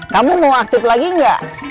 kamu mau aktif lagi nggak